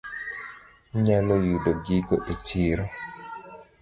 Inyalo yudo gigo e chiro.